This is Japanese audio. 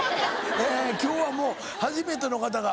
え今日はもう初めての方が。